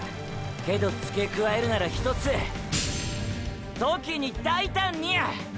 けどつけ加えるならひとつーー“時に大胆に”や！！